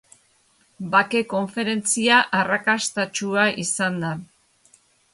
Bake konferentzia arrakastatsua izan da.